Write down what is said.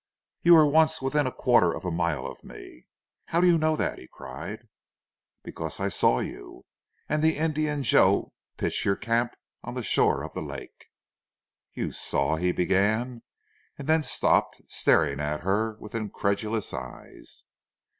"You were once within a quarter of a mile of me." "How do you know that?" he cried. "Because I saw you and the Indian Joe pitch your camp on the shore of the lake." "You saw " he began, and then stopped staring at her with incredulous eyes.